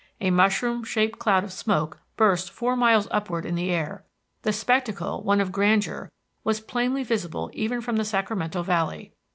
A mushroom shaped cloud of smoke burst four miles upward in air. The spectacle, one of grandeur, was plainly visible even from the Sacramento Valley.